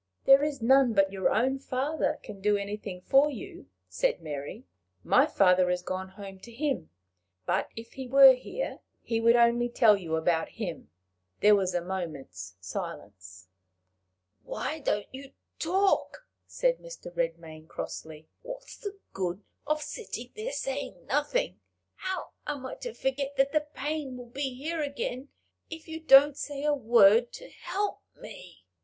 "There is none but your own father can do anything for you," said Mary. "My father is gone home to him, but if he were here, he would only tell you about him." There was a moment's silence. "Why don't you talk?" said Mr. Redmain, crossly. "What's the good of sitting there saying nothing! How am I to forget that the pain will be here again, if you don't say a word to help me?"